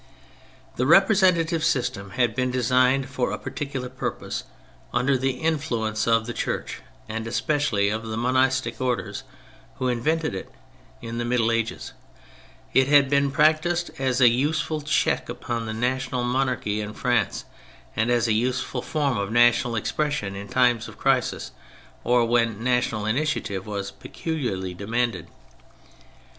The representative system had been designed for a particular purpose under the influence of the Church and especially of the monastic orders (who invented it) in the Middle Ages. It had been practised as a useful check upon the national monarchy in France, and as a useful form of national expression in times of crisis or when national initiative was peculiarly demanded.